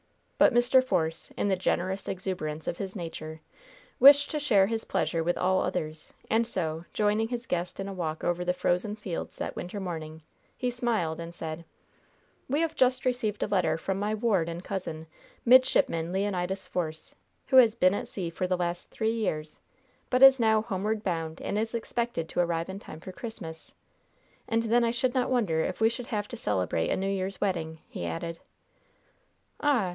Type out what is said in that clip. But Mr. Force, in the generous exuberance of his nature, wished to share his pleasure with all others, and so, joining his guest in a walk over the frozen fields that winter morning, he smiled and said: "We have just received a letter from my ward and cousin, Midshipman Leonidas Force, who has been at sea for the last three years, but is now homeward bound and is expected to arrive in time for Christmas; and then I should not wonder if we should have to celebrate a New Year's wedding," he added. "Ah!